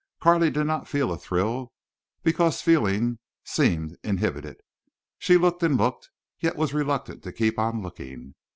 Carley did not feel a thrill, because feeling seemed inhibited. She looked and looked, yet was reluctant to keep on looking.